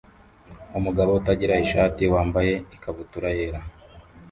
Umugabo utagira ishati wambaye ikabutura yera